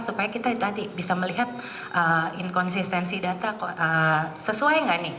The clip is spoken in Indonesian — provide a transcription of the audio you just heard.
supaya kita bisa melihat inkonsistensi data sesuai enggak nih